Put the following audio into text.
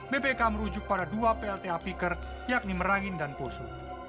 bpk merujuk pada dua plta piker yakni merangin dan poso